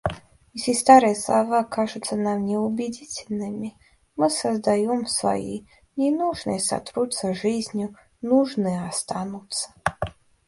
Если старые слова кажутся нам неубедительными, мы создаём свои. Ненужные сотрутся жизнью, нужные останутся.